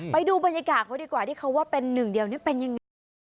ไปดูบรรยากาศเขาดีกว่าที่เขาว่าเป็นหนึ่งเดียวนี่เป็นยังไง